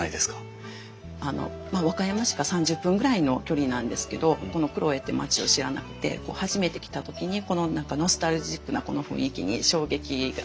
和歌山市から３０分ぐらいの距離なんですけどこの黒江って町を知らなくて初めて来た時にこの何かノスタルジックなこの雰囲気に衝撃を感じて。